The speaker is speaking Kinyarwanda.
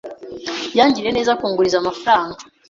Yangiriye neza kunguriza amafaranga.